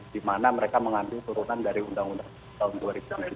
di mana mereka mengambil turunan dari undang undang tahun dua ribu tujuh belas